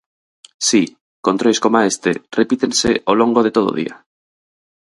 Si, controis coma este repítense ao longo de todo o día.